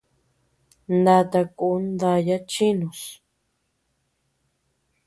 Nata kun daya chinus.